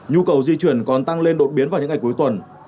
nhu cầu di chuyển còn tăng lên đột biến vào những ngày cuối tuần